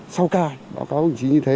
sau cai báo cáo hình chí như thế